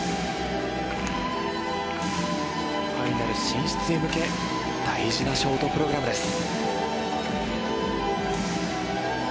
ファイナル進出へ向け大事なショートプログラムです。